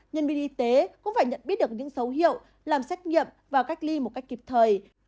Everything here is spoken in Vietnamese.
nhân viên y tế cũng phải nhận biết được những dấu hiệu làm xét nghiệm và cách ly một cách kịp thời